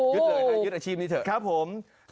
ยึดเลยค่ะยึดอาชีพนี้เถอะครับผมโอ้โห